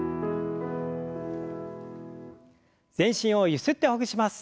全身をゆすってほぐします。